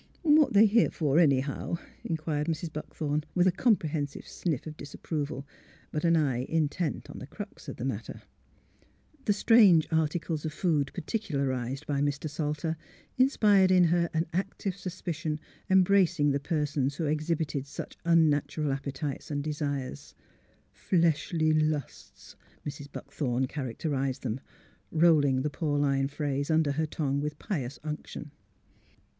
"^' What they here for, anyhow? " inquired Mrs. Buckthorn, with a comprehensive sniff of disap proval, but an eye intent on the crux of the matter. The strange articles of food, particularised by Mr. Salter, inspired in her an active suspicion em bracing the persons who exhibited such unnatural appetites and desires. '^ Fleshly lusts," Mrs. Buckthorn characterised them, rolling the Pauline phrase under her tongue with pious unction.